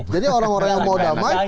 jadi orang orang yang mau damai